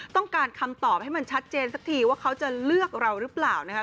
ต้องการคำตอบให้มันชัดเจนสักทีว่าเขาจะเลือกเราหรือเปล่านะครับ